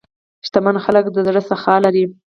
شتمن خلک د زړه سخا لري.